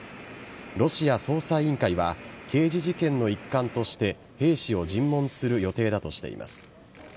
ロシア捜査委員会は刑事事件の一環として兵士を尋問する予定だとしています。